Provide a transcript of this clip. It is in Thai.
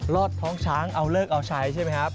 อดท้องช้างเอาเลิกเอาใช้ใช่ไหมครับ